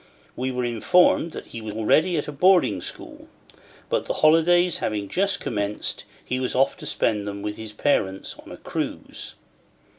We were informed he was already at a boarding school; but the holidays having just commenced, he was off to spend them with his parents on a cruise.